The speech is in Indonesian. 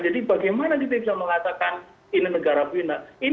jadi bagaimana kita bisa mengatakan ini negara final